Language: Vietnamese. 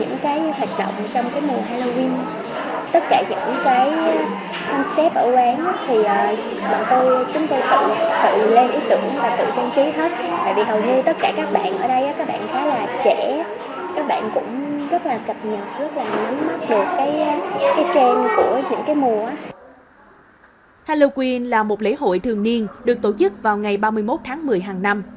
halloween là một lễ hội thường niên được tổ chức vào ngày ba mươi một tháng một mươi hàng năm